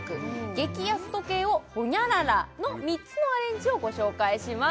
激安時計をホニャララの３つのアレンジをご紹介します